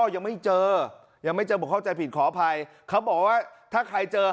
ยังไม่เจอยังไม่เจอบอกเข้าใจผิดขออภัยเขาบอกว่าถ้าใครเจอ